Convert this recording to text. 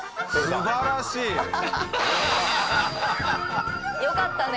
素晴らしいね。